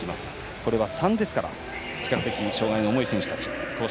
これは３ですから比較的障がいの重い選手たち。